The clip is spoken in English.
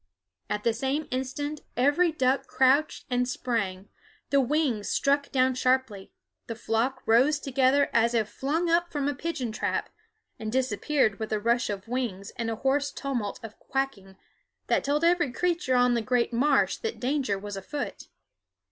At the same instant every duck crouched and sprang; the wings struck down sharply; the flock rose together as if flung up from a pigeon trap, and disappeared with a rush of wings and a hoarse tumult of quacking that told every creature on the great marsh that danger was afoot.